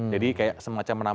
jadi kayak semacam menambah